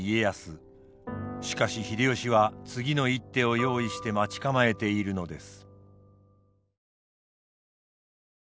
しかし秀吉は次の一手を用意して待ち構えているのです。